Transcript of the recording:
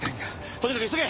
とにかく急げ！